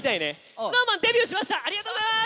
ＳｎｏｗＭａｎ、デビューしました、ありがとうございます。